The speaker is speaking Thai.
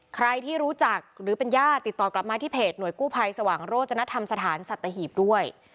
ใครที่รู้จักหรือเป็นญาติติดต่อกลับมาที่เพจหน่วยกู้ภัยสว่างโรจนธรรมสถานสัตหีบด้วย